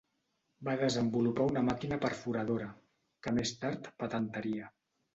Va desenvolupar una màquina perforadora, que més tard patentaria.